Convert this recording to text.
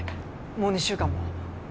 もう２週間も。